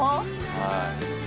はい。